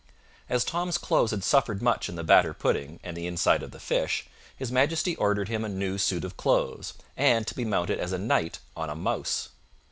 As Tom's clothes had suffered much in the batter pudding and the inside of the fish, his Majesty ordered him a new suit of clothes, and to be mounted as a knight on a mouse.